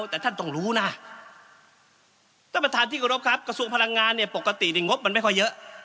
แต่ท่านต้องรู้นะท่านประธานที่กรบครับกระทรวงพลังงานเนี่ยปกติในงบมันไม่ค่อยเยอะ